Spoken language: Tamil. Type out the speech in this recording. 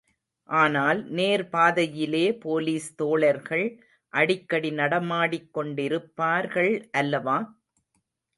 ஆனால் நேர் பாதையிலே போலிஸ் தோழர்கள் அடிக்கடி நடமாடிக்கொண்டிருப்பார்கள் அல்லவா?